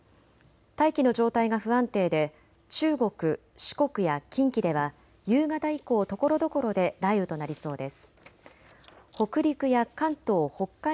大気の状態が不安定で中国、四国や近畿では夕方以降ところどころで雷雨となりそうです。